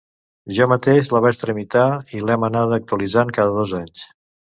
Jo mateix la vaig tramitar i l'hem anada actualitzant cada dos anys.